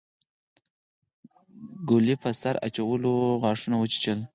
ګلي په سر اچولو غاښونه وچيچل.